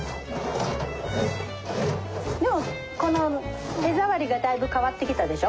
でもこの手触りがだいぶ変わってきたでしょ？